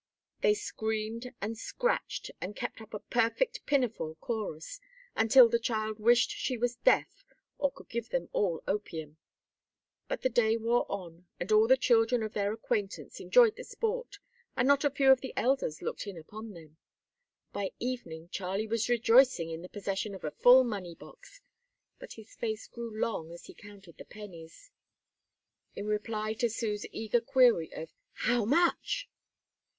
They screamed and scratched, and kept up a perfect Pinafore chorus, until the child wished she was deaf, or could give them all opium; but the day wore on, and all the children of their acquaintance enjoyed the sport, and not a few of the elders looked in upon them. By evening Charlie was rejoicing in the possession of a full money box, but his face grew long as he counted the pennies. In reply to Sue's eager query of "How much?"